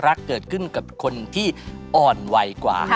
ความรักเกิดขึ้นกับคนที่อ่อนวัยกว่า